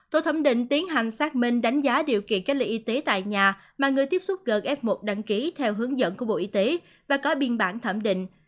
tổ thẩm định tiến hành xác minh đánh giá điều kiện cách ly y tế tại nhà mà người tiếp xúc gần f một đăng ký theo hướng dẫn của bộ y tế và có biên bản thẩm định